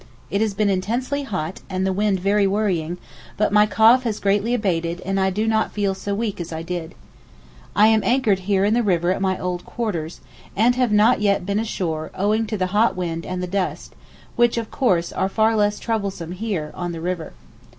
It has been intensely hot, and the wind very worrying, but my cough has greatly abated and I do not feel so weak as I did. I am anchored here in the river at my old quarters, and have not yet been ashore owing to the hot wind and the dust, which of course are far less troublesome here on the river.